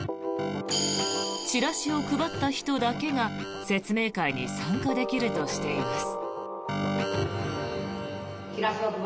チラシを配った人だけが説明会に参加できるとしています。